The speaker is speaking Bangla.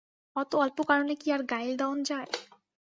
অত অল্প কারণে কি আর গাইল দেওন যায়?